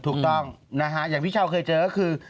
ถูกต้องนะฮะอย่างที่ชาวเคยเจอก็คือ